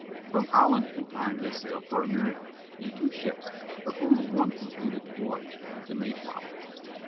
From Holland in time they sailed for America, in two ships, but only one completed the voyage â the Mayflower.